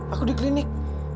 aku di klinik